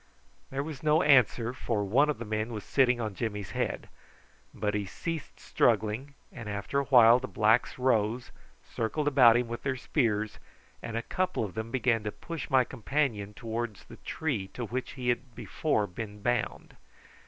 There was no answer, for one of the men was sitting on Jimmy's head; but he ceased struggling, and after a while the blacks rose, circled about him with their spears, and a couple of them began to push my companion towards the tree to which he had before been bound.